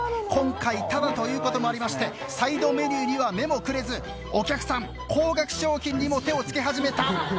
今回タダという事もありましてサイドメニューには目もくれずお客さん高額商品にも手を付け始めた。